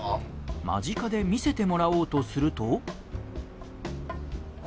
間近で見せてもらおうとすると。